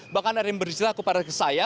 bahkan ada yang beristilah kepada saya